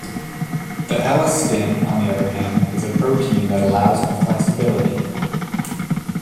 The elastin on the other hand is a protein that allows for flexibility.